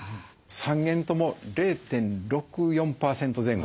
３軒とも０．６４％前後。